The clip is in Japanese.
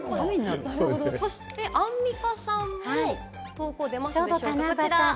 アンミカさんも投稿でますでしょうか？